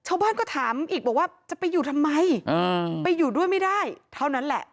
ชาวบ้านก็ถามอีกบอกว่าจะไปอยู่ทำไมไปอยู่ด้วยไม่ได้เท่านั้นแหละ